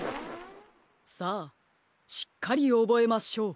さあしっかりおぼえましょう。